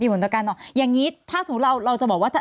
มีผลต่อการนอนอย่างงี้ถ้าสมมุติเราจะบอกว่า